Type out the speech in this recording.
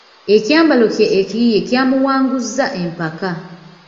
Ekyambalo kye ekiyiiye kyamuwanguzza empaka.